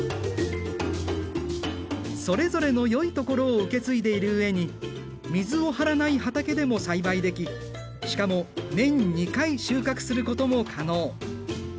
それぞれのよいところを受け継いでいる上に水を張らない畑でも栽培できしかも年２回収穫することも可能。